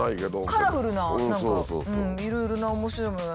カラフルな何かいろいろな面白いものが。